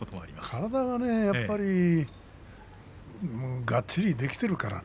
体がやっぱりがっちりできているからね。